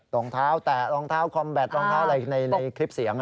รองเท้าแตะรองเท้าคอมแบตรองเท้าอะไรในคลิปเสียง